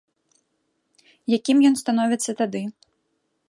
Якім ён становіцца тады?